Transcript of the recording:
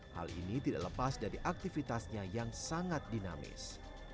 hal ini tidak lepas dari aktivitasnya yang sangat dinamis